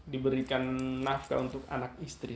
diberikan nafkah untuk anak istri